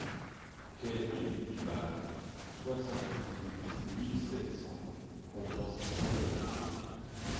Quai de l'Île du Bac, soixante-dix-huit mille sept cents Conflans-Sainte-Honorine